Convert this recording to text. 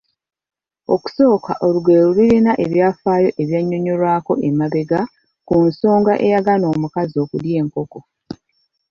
Okusooka olugero lulina ebyafaayo ebyannyonnyolwako emabega ku nsonga eyagaana omukazi okulya enkoko.